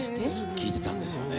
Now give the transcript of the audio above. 聴いてたんですよね。